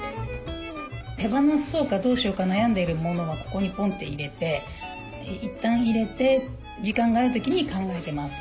手放そうかどうしようか悩んでいるモノはここにポンって入れていったん入れて時間がある時に考えてます。